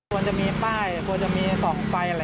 ควรจะมีป้ายควรจะมีส่องไฟอะไรอย่างนี้